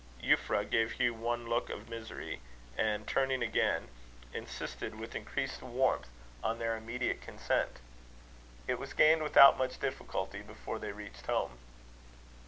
Euphra gave Hugh one look of misery, and, turning again, insisted with increased warmth on their immediate consent. It was gained without much difficulty before they reached home.